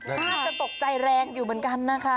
แทบจะตกใจแรงอยู่เหมือนกันนะคะ